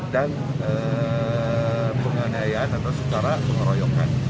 dan penganiayaan atau secara meroyokan